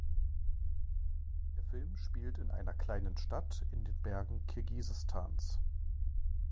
Der Film spielt in einer kleinen Stadt in den Bergen Kirgisistans.